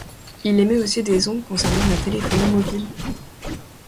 Il émet aussi des ondes concernant la téléphonie mobile.